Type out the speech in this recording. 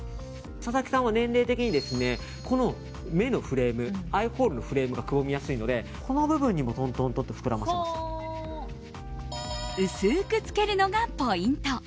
佐々木さんは年齢的にこの目のフレームアイホールのフレームがくぼみやすいので、この部分にも薄くつけるのがポイント。